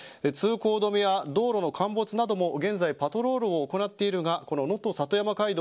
通行止めや道路の陥没なども現在パトロールを行っていますが能登里山街道